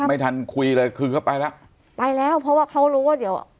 ไม่ทันคุยเลยคือเขาไปแล้วไปแล้วเพราะว่าเขารู้ว่าเดี๋ยว